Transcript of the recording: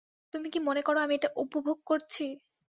তুমি কি মনে কর আমি এটা উপভোগ করছি?